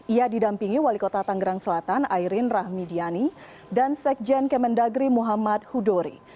ia didampingi wali kota tangerang selatan ayrin rahmidiani dan sekjen kemendagri muhammad hudhori